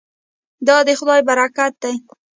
دا د خدای برکت دی.